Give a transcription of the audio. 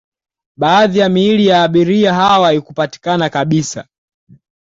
baadhi ya miili ya abiria hao haikupatikana kabisa